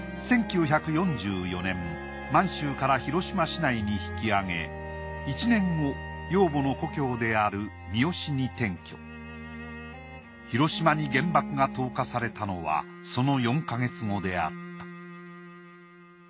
１９４４年満州から広島市内に引き揚げ１年後養母の故郷である広島に原爆が投下されたのはその４か月後であった。